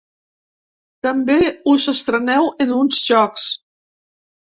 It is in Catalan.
També us estreneu en uns jocs.